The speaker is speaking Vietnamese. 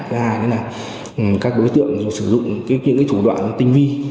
thứ hai nữa là các đối tượng sử dụng những thủ đoạn tinh vi